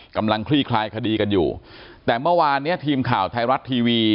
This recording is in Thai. คลี่คลายคดีกันอยู่แต่เมื่อวานเนี้ยทีมข่าวไทยรัฐทีวี